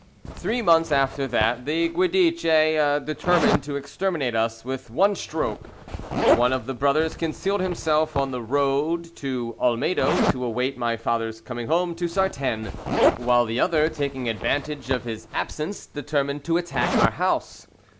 Three months after that the Guidice determined to exterminate us with one stroke. One of the brothers concealed himself on the road to Olmedo to await my father's coming home to Sartène while the other, taking advantage of his absence, determined to attack our house.